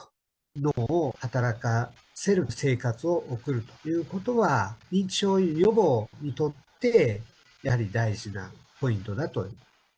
脳を働かせる生活を送るということは、認知症予防にとってやはり大事なポイントだと。